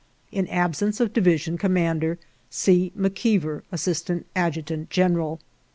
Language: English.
" In absence of division commander. I "C. McKeever, "Assistant Adjutant General."